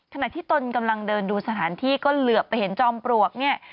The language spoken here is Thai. ขณะที่ตนกำลังเดินดูสถานที่ก็เหลือไปเห็นจอมปลวกเนี่ย